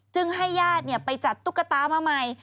ให้ญาติไปจัดตุ๊กตามาใหม่